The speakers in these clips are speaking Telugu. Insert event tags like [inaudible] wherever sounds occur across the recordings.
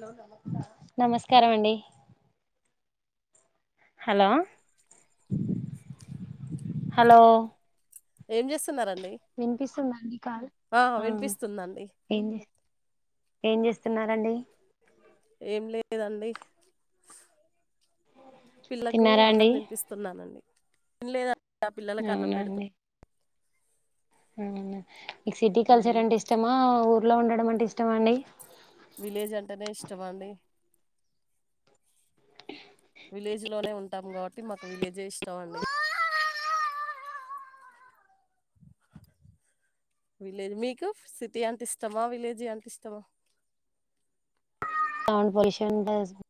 లో నమస్కారం అండి హలో హలో ఏం చేస్ వినిపిస్తుందండి కాని ఆ వినిపిస్తుందండి. ఏం చేస్తున్నారంండి ఏం లేదండి పిల్లకు తిన్నారా అన్నం అండి తినిపిస్తున్నానండి తిన్లేదా నా పిల్లలక అన్నం పెడుతు అవున మీక్ సిటీ కల్చర్ హ్మ్ అంటే ఇష్టమా ఉ ఊళ్లో ఉండడం అంటే ఇష్టమా అండి విలేజ్ అంటేనే ఇష్టం అండి విలేజ్ లోనే ఉంటాం కాబట్టి మాకు విలేజే ఇష్టం అండి విలేజ్ మీకు సిటీ అంటె ఇష్టమా విలేజీ అంటే ఇష్టమా సౌండ్ పొల్యూషన్ [unintelligible]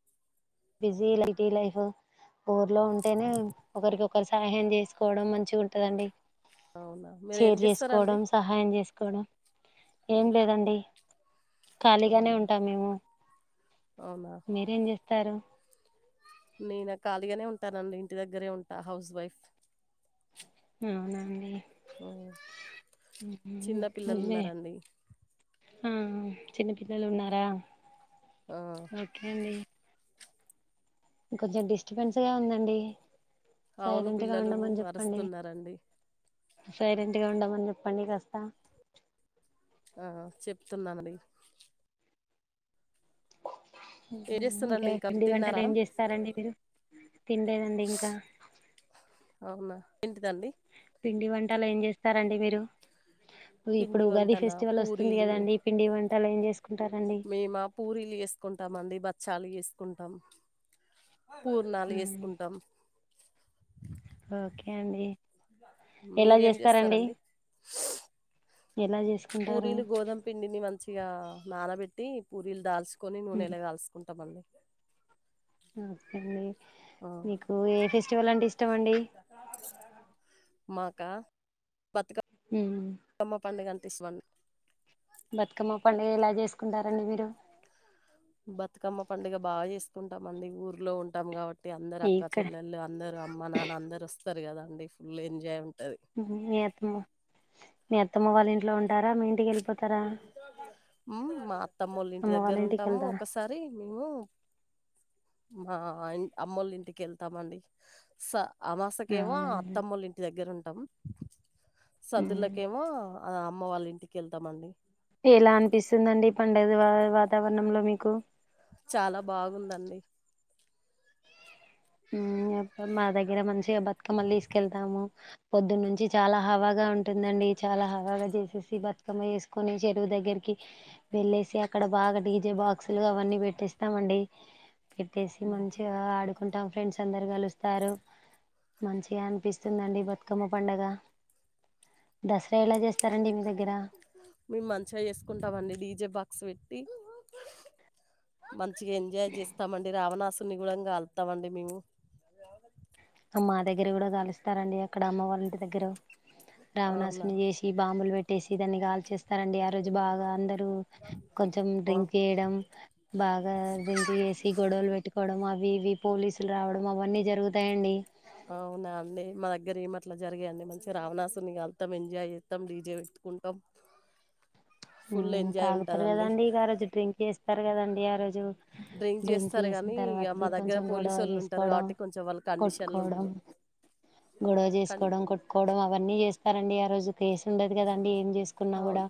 బిజీ లైటీ లైఫ్ ఊర్లో ఉంటేనే ఒకరికొకరు సహాయం చేసుకోవడం మంచిగ్ ఉంటదండి అవునా మీరు ఏం చేర్ చేస్తారండి? చేసుకోవడం సహాయం చేసుకోవడం ఏం లేదండి ఖాళీగానే అవునా ఉంటాం మేము అవునా మీరేం నేనా ఖాళీగానే ఉంటానండి ఇంటి దగ్గరే ఉంటా హౌస్ వైఫ్ అవునా అండి హ్మ్ చిన్న పిల్లలు ఉన్నారండి. ఆ చిన్న పిల్లలు ఉన్నారా ఔను ఓకే అండి కొంచెం డిస్టబెన్స్ గా ఉందండి అవును సైలెంట్ గా పిల్లలు ఉండమని చెప్పండి అరుస్తున్నారండి సైలెంట్ గా ఉండమని చెప్పండి కాస్త ఆ చెప్తున్నానండి ఏం ఇంకా చేస్తున్నాండి మీరు పిండి వంటలు తిన్నారా ఏం చేస్తారండి మీరు తినలేదండి ఇంకా అవునా ఏంటిదండి పిండి వంటలు ఏం చేస్తారండి మీరు ఇప్పుడు పిండి ఉగాది వంటల ఫేస్టివల్ వస్తుంది పూరీలు కదండి పిండి వం టలు ఏం చేసు మేమా పూరీలు చేసుకుంటామండి చాలా చేసుకుంటాం పూర్ణాలు చేసుకుంటాం ఓకే అండి మీరేం చేస్తారండి. ఎలా చేసుకుంటారు పూరీలు గోధుమ పిండిని మంచిగా నానబెట్టి పూరీలు దాచ్ కొని నూనెల కాల్సుకుంటామండి ఓకే అండి ఆ మీకు ఏ ఫెస్టివల్ అంటే ఇష్టం అండి కా బతుకమ్మ పండగ అం టే ఇస్టమ్ అండి బతుకమ్మ పండుగ ఎలా చేసుకుంటారండి మీరు బతుకమ్మ పండుగ బాగా చేసుకుంటాము అండి ఊర్లో ఉంటాం కాబట్టి అందరు అక్క, ఇక్కడ చెల్లెళ్లు అందరూ అమ్మ, నాన్న అందరు వస్త స్తరు కదండి ఫుల్ ఎంజాయ్ ఉంటది మ్మ్హ్ మీ అత్తమ్మ మీ అత్తమ్మ వాళ్ళ ఇంట్లో ఉంటారా మీ ఇంటికి వెళ్ళి మా అత్తమ్మల ఇంటి అమ్మ వాళ్ళ దగ్గర ఇంటికి ఉంటాము వెళ్తారా ఒకసారి మేము మా అమ్మోల్ల ఇంటికి వెళ్తామండి స అమాసకేమో అవునా అత్తమ్మోళ్ల ఇంటి దగ్గర ఉంట టము సద్దులకేమో ఆ అమ్మ వాళ్ళ ఇంటికెల్ త మండి ఎలా అనిపిస్తుందండి పండగ ది వాతావరణంలో మీకు చాలా బాగుందండి. మా దగ్గర మంచిగా బతుకమ్మలు తీసుకెళ్తాము. పొద్దున్నుంచి చాలా హావాగా ఉంటుందండి. చాలా హవాగా చేసేసి బతుకమ్మ వేసుకొని చెరువు దగ్గరికి వెళ్ళేసి అక్కడ బాగా డీజే బాక్సులు అవన్నీ పెట్టేస్తామండి. పెట్టేసి ఉమ్. మంచిగా ఆడుకొ టాం ఫ్రెండ్స్ అందరు కలుస్తారు మంచిగా అనిపిస్తుందండి బతుకమ్మ పండగ దసరా ఎలా చేస్తారండి మీ దగ్గరా క్స్ పెట్టి మన్ చిగా ఎంజాయ్ చేస్తామండి రావణాసుర్ న్ని గుడం కలుత్తాం అండి మేము మా దగ్గర గుడా కాలుస్తారండి అక్కడ అమ్మ వాళ్ళ ఇంటి దగ్గరో అవునా రావణాసున్నీ చేసి బాంబులు పెట్ చేసి దాన్ని కాల్చెస్ స్తరండి. ఆ రోజు బాగా అందరు కొంచం ఆ! డ్రింక్ వెయ్యడం బాగా డ్రింక్ చేసి గొడవలు పెట్టుకోవడం అవి అవి ఇవి పోలీసులు రావడం అవన్నీ జరుగుతాయండి. అవునా అండి మా దగ్గర ఏం అట్ల జరగయండి మంచిగా రావణాసుని కాల్తం ఎంజాయ్ చేస్తాం డీజే పెట్టుకుంటాం ఫుల్ ఎంజాయ్ తాగుతారు ఉంటదండి. కదండి ఇగ ఆ రోజు డ్రింక్ చేస్తారు కదండి ఆ రోజు డ్రింక్ చేస్తారు ఏసిన గానీ, ఇగ తర్వాతకి మా దగ్గర కొంచం గొడవ పోలీసోళ్ళు ఉంటారు చేసుకోవడం, కాబట్టి కొంచెం వాళ్ళు కండిషన్లు కొట్టుకోవడం, ఉంటరు. గొడవ కన్ చేసుకోవడం, కొట్టుకోవడం అవన్నీ చేస్ సరే అండి ఆ రోజు కేసు ఉండదు కదండి ఏం తీసుకున్నా గుడా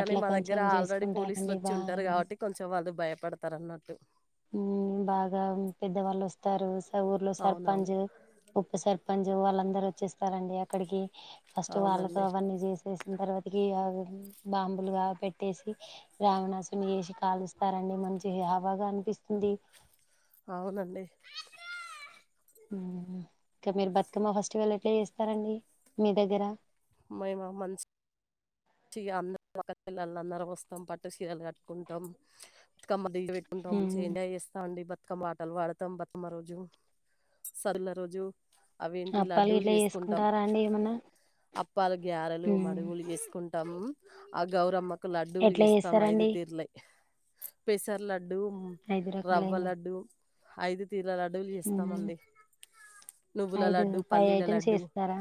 కానీ మా దగ్గర ఆల్రెడీ పోలీసులు వచ్చి ఉంటరు బాగానే కాబట్టి కొంచం వాళ్ళు భయపడతారన్నట్టు. బాగా పెద్దవాళ్ళు వస్తారు. ఊర్లో అవునవును. సర్పంచ్, ఉపసర్ సర్పంచ్ వాళ్ళందరు వచ్చేస్తారండి అక్కడికి ఫస్ట్ వాళ్ళతో అవునండి. అవన్నీ చేసేసిన్ తర్వాత బాంబులుగా పెట్టేసి రావణాసుని చేసి కాలుస్తారండి మంచిగా హవాగా అనిపిస్ స్తుంది. అవునండి. ఇంకా మీరు బతుకమ్మ ఫెస్టివల్ ఎట్ల చేస్తారండి మీ దగ్గరా మై మా మంస్ మంచిగా అందరూ ఒక పిల్లలు అందరూ వస్తాం పట్టు చీరలు కట్టుకుంటాం కమ్మల్ డీజే పెట్టుకుంటాం మంచిగ ఉమ్, ఎంజాయ్ చేస్తామండి. బ బతుకమ్మ పాటలు పాడతాం బతుకమ్మ రోజు సద్దుల రోజు అవేంటి అప్పాలు లడ్డూలు ఇట్లా చేసుకుంటాం. చేసుకుంటారా అండి ఏమన్నా అప్పాలు, గ్యారెలు, ఉమ్, మడుగులు చేసుకుం మ్ ఆ గౌరమ్మ లడ్డూలు ఎట్లా జేస్తం ఐదు చేస్తారండి తీర్ పెసర్ల ఐదురకాలయిన ఐదు. తీర్ల లడ్డూలు చేస్తామండి. నువ్వుల ఐదు లడ్డు, ఫైవ్ ఫల్లీల ఐటెమ్స్ లడ్డు, చేస్తారా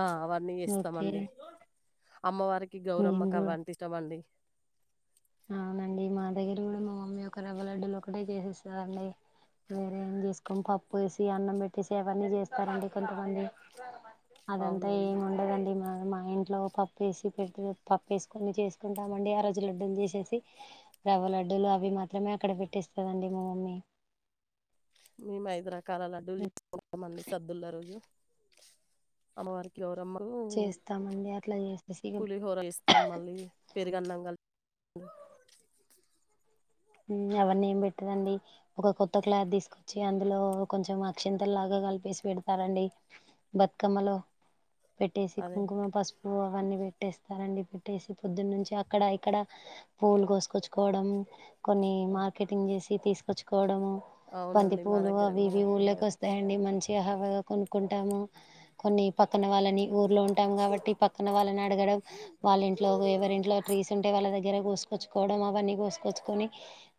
ఆ! అవన్ని ఓకే జేస్తమండి. అమ్మ వా కి గౌరమ్మ మేము కి కూడా అవింటే ఇస్టమండీ అవునండి, మాదగ్గరి గుడ మా మమ్ మ్ ఒక రవ్వ లడ్డులొక్కటే జేసెస్త రండి! మీరేం తీసుకొంటె పప్పు ఏసి, అన్నం పెట్టేసి, అవన్ని జేస్తరండి కొంతమంది అదంత అవునండి ఏముండదండి మా మా ఇంట్లో పప్పేసి, పెగ్గులో పప్పేసుకొని, చేసుకుంటామండి. ఆ రోజు లడ్డూలు జేసి జేసి రవ్వ లడ్డులు అవి మాత్రమే అక్కడ పెట్టేస్తదండి మా మమ్మీ. మీ మైద్రక్ కలా లడ్డూలు జేస్తదండి, మా మమ్మి సద్దుల రోజు. అమ్మ వారికి, గౌరమ్మ చేస్తామండి, అట్ల జేస్ పులిహోర ఇస్తం. మళ్లీ పెరుగన్నం గల్పి ఊఁ అవన్ని ఏం బెట్టరండి. ఒక కొత్త క్లాత్ దీసుకొచ్చి, అందులో కొంచెం అక్షింతల్లాగ కలిపేసి పెడతారండి, బతుకమ్మలో. పెట్టేసి, అదే కుంకుమ, అండి. పసుపు అవన్నీ పెట్టేస్తరండి పెట్ ఏసి, పొద్దున్నుంచి అక్కడ ఇక్కడ పూలు గోసుకొచ్చుకోవడం కొన్ని అవు- మార్కెటింగ్ జేసి ఇ తీసుకొచ్చుకోవడము అవునండి మా బంతిపూలు, దగ్గర అవి కూడా ఇవి అట్లనే జరుగుతుంది ఊళ్ళకొస్తయండి. మంచి హవగ కొను కుంటాము, కొన్నీ పక్కన వాళ్ళని ఊర్లో ఉంటాం గాబట్టి పక్కన వాళ్ళని అడగడం, వాళ్ళ ఇంట్లో ఎవరి ఇంట్లో దగ్గర కోసుకొచ్చుకోవడం అవన్నీ కోసుకొచ్చుకొని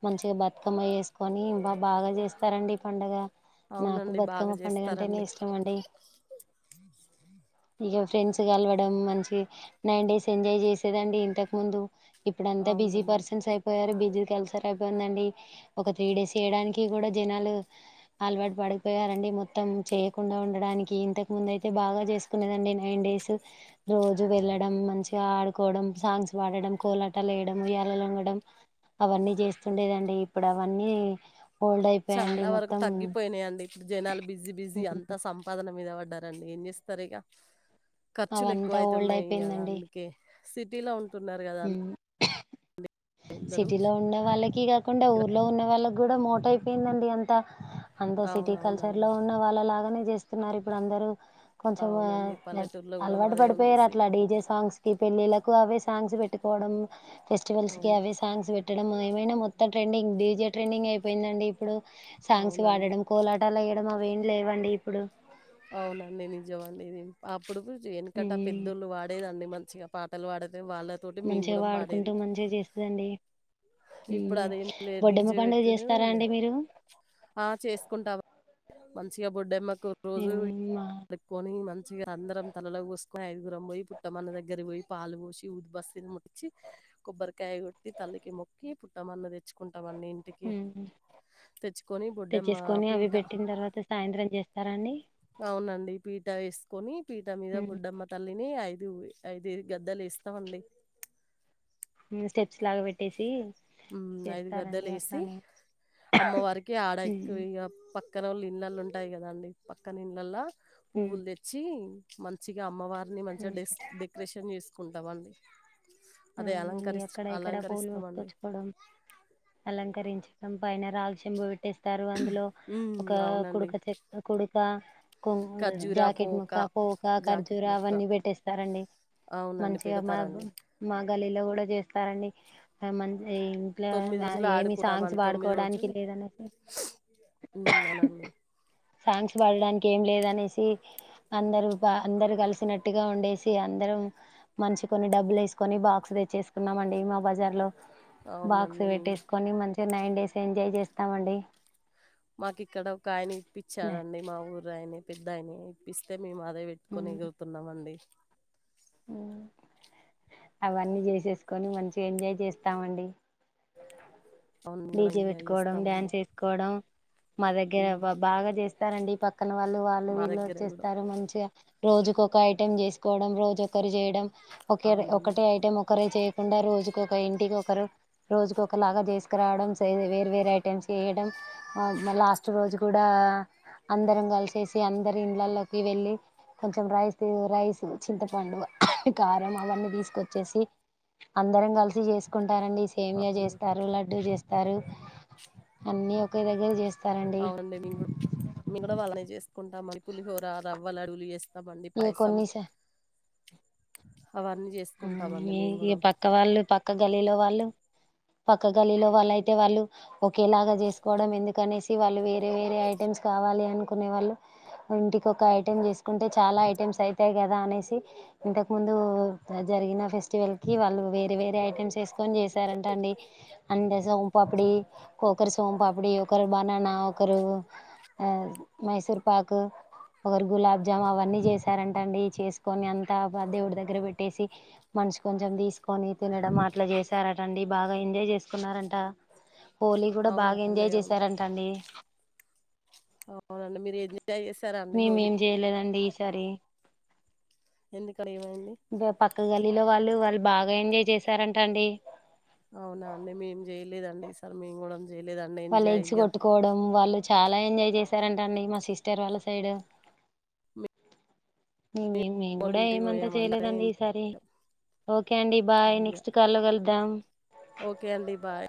మంచిగా బతుకమ్మ ఎసుకొని బా బాగా చేస్తారంండి ఈ పండుగ నాకు అవునండి బాగా బతుకమ్మ పండుగ అంటే నే చేస్తారండి ఇష్టం అండి ఇగ ఫ్రెండ్స్ కలవడం మంచి ఈ నైన్ డేస్ ఎంజాయ్ చేసేదండి ఇంతకు ముందు ఇప్పుడ అంతా బిజీ అవునండి పర్సన్స్ అయిపోయారు బి ఇది కల సరీ అయిపోయిందండి ఒక త్రీ డేస్ చేయడానికి కూడా జనాలు అలవాటు పడిపోయారండి మొత్తం చేయకుండా ఉండడానికి ఇంతకు ముందు అయితే బాగా చేసుకునేదండి నైన్ డేస్ రోజు వెళ్ళడం మంచిగా ఆడుకోవడం చేస్తుండేదండి ఇప్పుడు అవన్నీ హోల్డ్ అయిపోయాయండి చాలా వరకు మొత్తం తగ్గిపోయినాయండి జనాలు బిజి బిజీగా ఉమ్, అంతా సంపాదన మీద పడ్డారు రండి ఏం చేస్తారికా ఖర్చులు ఎక్కువ అవంతా ఓల్డ్ అయితున్నాయి గదా అయిపోయిందండి అందుకే సిటీలో ఉన్ ఉన్నారు గదా అ ఉమ్ సిటీలో ఉండే వాళ్ళకి గద్ కుండా ఊర్లో ఉన్న వాళ్ళకి గుడా మోట అయిపోయిందండి అంత అంత సిటీ కల్చర్లో అవునవునండి ఉన్న వాళ్ళ లాగానే జేస్తున్నారు ఇప్పుడు అందరు కొంచమే అవునండి పల్లెటూరులో కూడా అలవాటు మాదే ఉంది పడిపోయారు సి అట్లా డీజే సాంగ్స్ కి పెళ్ళిలకు అవే సాంగ్స్ పెట్ తికోవడం ఫెస్టివల్స్ అవును ఇవే సాంగ్స్ పెట్టడం ఆ ఏమైనా మొత్తం ట్రెండింగ్ డీజే ట్రెండింగ్ అయిపోయిందండి ఇప్పుడు సాంగ్స్ అవునండి వాడడం కోలాటాల ఇ మావెం లేవండి ఇప్పుడు అవును అండి నేన్ నిజమండీ అప్ ఇప్పుడు ఎనకట ఉమ్, పెద్దోళ్ళు వాడేదండి మంచిగా పా తెల్వాడద్ మంచిగా పాడుకుంటూ మంచిగా చేస్తుదండి ఇప్పుడు అదేం లేదు డీజే పండుగ పెట్డుడు చేస్తారా ఇక అండి మీరు ఆ చేసుకుంటామ్ మంచిగా బొడ్డెమ్మ ఉమ్, కొన్రోజువీ మా కొని నచ్చగా అందరం తలలో పోస్ మా ఐదుగురమ్మాయి పుట్ట మన దగ్గర పోయి పాలు పోసి ఊద్ బస్తని ముచ్చి కొబ్బరికాయ కొట్టి తల్లికి మొ కే పుట్ట మన్నద తెచ్చుకుంటామండి ఇంటికి ఉమ్. తెచ్చుకొని బొడ్డమ్మ తెచ్చేసుకొని అవి పీట పెట్టిన తర్వాత సాయంత్రం చేస్తారండి అవునండి పీట వేసి పొనీ పీట మీద బుడ్డమ్మ తల్లిని అయిత్ ఉమ్ అయిదే గద్దలిస్తామండి ఉమ్ స్టెడ్ ఉమ్ ఐదు చేస్తారండి గద్దలు వేసి అట్లానే అమ్మవారికి ఆడ ఇక ఉమ్ పక్క పక్కనోళ్ళ ఇళ్ళలు ఉంటాయి గదండి పక్కన ఇళ్ళల్ల ఉమ్ పువ్వుల్ దెచ్చి మంచిగా అమ్మవారిని మంచిగా ఉమ్ డెస్ డెకరేషన్ చేసుకోం దవండి అవునండి అక్కడ ఇక్కడ పో పూలు అలంకరిస్తామండి. కోసుకొచ్చుకోవడం అలంకరించు సం పైన రాలు చెంబు పెట్టేస్ సారు అందులో హ్మ్. ఒక అవునండి. కుడుక చె కొడు కా కొంగు ఖర్జూర జాకెట్ పోక, ముక్క, పోక, జాకెట్ ఖర్జూర ముక్క అవన్నీ పెట్టేస్తారండి అవునండి. మంచిగా మనగూ. పెడతారండి. మా గల్లీలో కూడా చేస్తారండి మేమం ఇంట్లో రోజులు ఏమి సాంగ్స్ ఆడుకుంటామండి. వాడుకోవడానికి రోజులు లేదనేసి హ్మ్. అవునండి. సాంగ్స్ పాడడానికి ఏం లేదనేసి, అందరు అందరు కలిసినట్టుగా ఉండేసి, అందరం మంచి కొన్ని డబ్బులు వేసుకొని బాక్స్ తెచ్చేసుకున్నాము అండి మా బజార్ లో బాక్స్ అవునండి మీ పెట్టేసుకొని మంచి నైన్ డేస్ ఎంజాయ్ చేస్తామండి చాలా న- అండి మా ఊర్రాయిని పెద్దాయిని ఇప్పిస్తే మేము అదే పెట్టుకొని ఎగురుతున్నాం అండి హు అవన్నీ చేసేసుకొని మంచిగా ఎంజాయ్ చేస్తామండి అవును మేము కూడా డిజే ఎంజాయ్ పెట్టుకోవడం చేస్తామండి డ్యాన్స్ వేసుకోవడం మా ఉమ్, దగ్గరవ్వ బాగా చేస్ స్తారండి పక్ పక్కన వాళ్ళు వాళ్ళు మా వీళ్ళు దగ్గర కూడా వచ్చేస్తారు మంచిగా రోజుకు ఒక ఐటెం చేసుకోవడం రోజు ఒకరు చేయడం డం ఒక అవునండి ఒకటే ఐటం ఒకరే చేయకుండా రోజుకు ఇంటికి ఒకరు రోజుకు ఒకలాగా చేసు రావడం వేరు వేరు ఐటమ్స్ వేయడం మరి లాస్ట్ రోజు కూడా అందరం కలిసేసి అందరి ఇళ్ళల్లోకి వెళ్ళి కొంచెం రైస్ రైస్ చింతపండు కారం అవన్నీ తీసుకొచ్చేసి అందరం కలిసి చేసుకు రండి సేమ్యా అవునండి చేస్తారు [unintelligible] చేస్తారు అన్ని ఒకే దగ్గర చేస్ అవునండి మేం కూడా [unintelligible] వాళ్ళనే చేస్తా [unintelligible] పులిహోర రవ్వ లడ్డులు చేస్త [unintelligible] ఇగ పాయసం అవన్నీ చేసుకుంటామండి ఈ మేము ఈ కూడా పక్క వాళ్ళు పక్క గల్లీ లో వాళ్ళు పక్క గల్లీలో వాళ్ళు అయితే వాళ్ళు ఒకేలాగా చేసుకోవడం ఎందుకు అనేసి వాళ్ళు వేరే వేరే ఐటెమ్స్ కావాలి అనుకునే వాళ్ళు ఇంటికి ఒక ఐటెం చేసుకుంటే చాలా ఐటెమ్స్ అయితాయి గదా అనేసి ఇంతకు ముందు జరిగిన ఫెస్టివల్ కి వాళ్ళు వేరే వేరే ఐటెమ్స్ వేసుకొని చేసారంట అండి అంటే సోంపాపిడి ఒకరి సోంపాపిడి ఒకరి బనానా ఒక్కరు ఆ మైసూర్ పాకు ఒకరు గులాబ్ జాము అవన్నీ చేసారంటండి చేసుకొని అంతా దేవుడి దగ్గర పెట్టి పెట్టేసి మనిషి కొంచెం తీసుకొని తినడం అట్లా చేసారటండి బాగా ఎంజాయ్ చేసుకున్నారంట హోలీ కూడా బాగా అవునండి ఎంజాయ్ అవును చేసారంట అండి అవునండి మీరు ఎంజాయ్ చేశారా అండి మేమేం హోలీకి చేయలేదండి సరి ఎందుకు పక్క గలీలో వాళ్ళు వాళ్ళ బాగా ఎంజాయ్ చేసారంట అండి అవునా అండి మేం చేయలేదండి ఈసార్ మేము కూడా చేయలేదండి వాళ్ళు ఎంజాయ్ ఎగ్స్ ఇక కొట్టుకోవడం వాళ్ళు చాలా ఎంజాయ్ చేసారంట అండి మా సిస్టర్ వాళ్ళ సైడ్ ే మేము వాళ్ళ కూడా ఇంటికి ఏమంతా పోయామండి చేయలేదండి ఈసారి ఓకే అండి బాయ్ ఇక నెక్స్ట్ కాల్ కలి దాం ఓకే అండి బాయ్